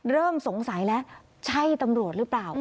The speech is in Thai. เริ่มสงสัยแล้วใช่ตำรวจหรือเปล่า